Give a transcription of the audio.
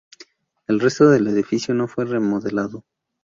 El resto del edificio no fue remodelado.